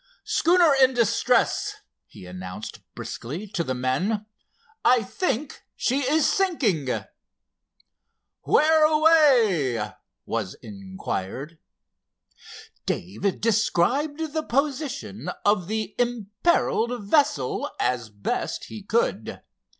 "Schooner in distress," he announced briskly to the men. "I think she is sinking." "Where away?" was inquired. Dave described the position of the imperiled vessel as best he could.